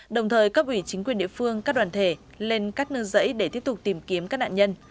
đồng thời cấp ủy chính quyền địa phương các đoàn thể lên các nương dãy để tiếp tục tìm kiếm các nạn nhân